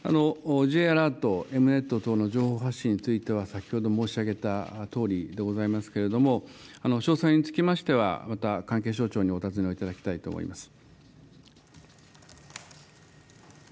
Ｊアラート、Ｅｍ−Ｎｅｔ等の情報発信については、先ほど申し上げたとおりでございますけれども、詳細につきましては、また関係省庁にお尋ねいただきたいと思います。